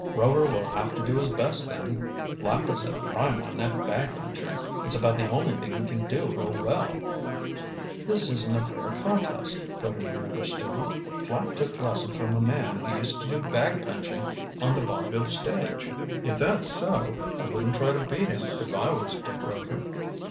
"Rover will have to do his best then. Flapp is a prime one at bag punching. It's about the only thing he can do real well." "This isn't a fair contest," put in another student. "Flapp took lessons from a man who used to do bag punching on the vaudeville stage." "If that's so I wouldn't try to beat him, if I was Dick Rover."